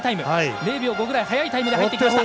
０秒５ぐらい速いタイムで入ってきた。